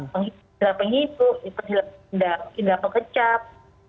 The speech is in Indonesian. pilih kehilangan penghidup pilih kehilangan pendapatan kecap